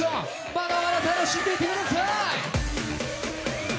まだまだ楽しんでいってくださーい。